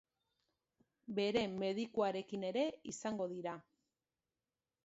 Bere medikuarekin ere izango dira.